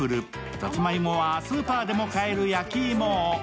さつまいもはスーパーで買える焼き芋を。